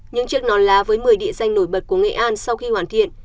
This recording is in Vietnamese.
những chiếc non lá với một mươi địa danh nổi bật của nghệ an sau khi hoàn thiện